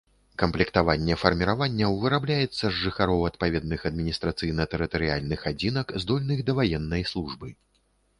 Камплектаванне фарміраванняў вырабляецца з жыхароў адпаведных адміністрацыйна-тэрытарыяльных адзінак, здольных да ваеннай службы.